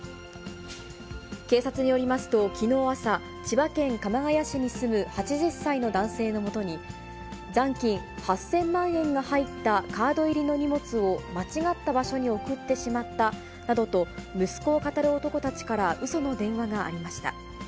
警察によりますと、きのう朝、千葉県鎌ケ谷市に住む８０歳の男性のもとに、残金８０００万円が入ったカード入りの荷物を間違った場所に送ってしまったなどと、息子をかたる男たちからうその電話がありました。